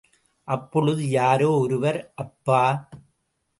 அப்பொழுது யாரோ ஒருவர் அப்பா!